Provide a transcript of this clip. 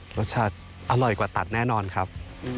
รสชาติอร่อยกว่าตัดแน่นอนครับ